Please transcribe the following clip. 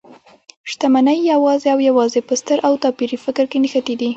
شتمنۍ يوازې او يوازې په ستر او توپيري فکر کې نغښتي ده .